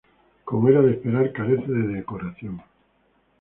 Como era de esperar, carece de decoración.